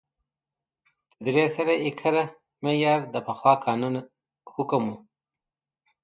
د درې سوه ایکره معیار د پخوا قانون حکم و